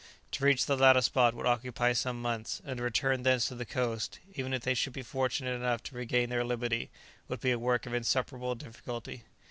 To reach the latter spot would occupy some months, and to return thence to the coast, even if they should be fortunate enough to regain their liberty, would be a work of insuperable difficulty.